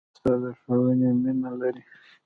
استاد د ښوونې مینه لري.